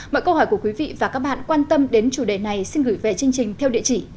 mọi câu hỏi của quý vị và các bạn quan tâm đến chủ đề này xin gửi về chương trình theo địa chỉ